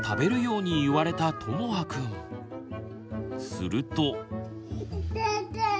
すると。